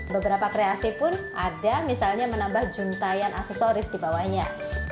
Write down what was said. beberapa kreasi pun ada misalnya menambah jutaan aksesoris dibawahnya